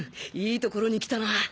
いいところに来たな